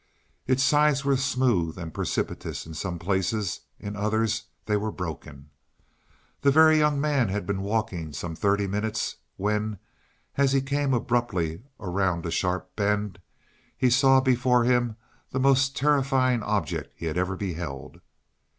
Its sides were smooth and precipitous in some places; in others they were broken. The Very Young Man had been walking some thirty minutes when, as he came abruptly around a sharp bend, he saw before him the most terrifying object he had ever beheld.